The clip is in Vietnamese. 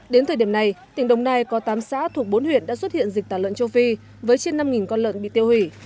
đến thời điểm này tỉnh đồng nai có tám xã thuộc bốn huyện đã xuất hiện dịch tả lợn châu phi với trên năm con lợn bị tiêu hủy